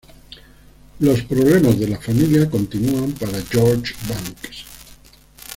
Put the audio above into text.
Los problemas de la familia continúan para George Banks.